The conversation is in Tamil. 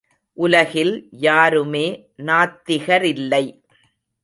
உலகில் யாருமே நாத்திகரில்லை.